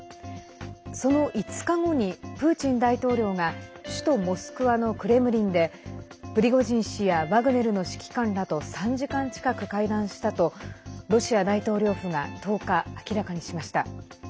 その５日後にプーチン大統領が首都モスクワのクレムリンでプリゴジン氏やワグネルの指揮官らと３時間近く会談したとロシア大統領府が１０日、明らかにしました。